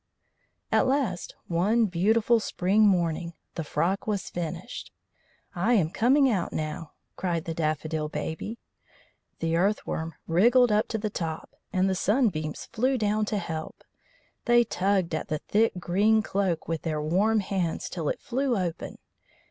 At last, one beautiful spring morning, the frock was finished. "I am coming out now," cried the Daffodil Baby. The Earth worm wriggled up to the top, and the sunbeams flew down to help. They tugged at the thick green cloak with their warm hands till it flew open.